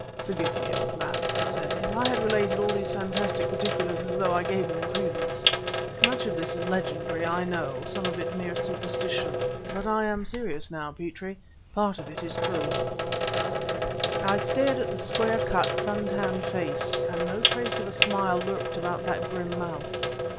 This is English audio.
"Forgive me, old man," he said, "if I have related all these fantastic particulars as though I gave them credence. Much of this is legendary, I know, some of it mere superstition, but I am serious now, Petrie part of it is true." I stared at the square cut, sun tanned face; and no trace of a smile lurked about that grim mouth.